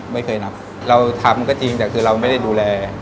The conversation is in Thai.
ไม่เคยนับเราทำก็จริงแต่คือเราไม่ได้ดูแล